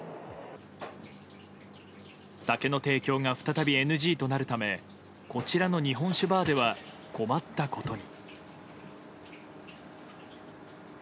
酒の提供が再びＮＧとなるためこちらの日本酒バーでは困ったことに。